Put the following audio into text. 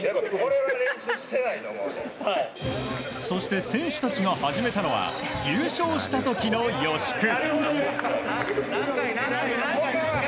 そして、選手たちが始めたのは優勝した時の予祝。